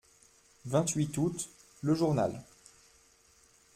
vingt-huit août., Le Journal.